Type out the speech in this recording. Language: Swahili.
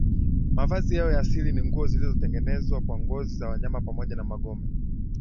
Mavazi yao ya asili ni nguo zilizotengenezwa kwa ngozi za wanyama pamoja na magome